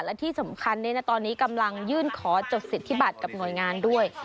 และที่สำคัญตอนนี้กำลังยื่นขอจดสิทธิบัตรกับหน่วยงานด้วย